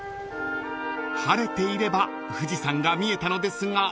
［晴れていれば富士山が見えたのですが］